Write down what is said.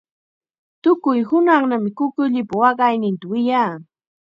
Tukuy hunaqmi kukulipa waqayninta wiyaa.